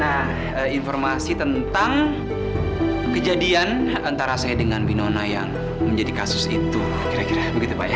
ada informasi tentang kejadian antara saya dengan binona yang menjadi kasus itu kira kira begitu pak ya